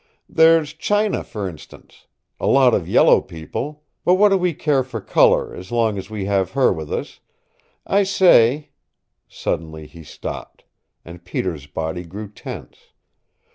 There's China, for instance. A lot of yellow people. But what do we care for color as long as we have her with us? I say " Suddenly he stopped. And Peter's body grew tense.